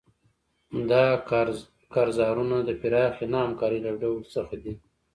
دا کارزارونه د پراخې نه همکارۍ له ډول څخه دي.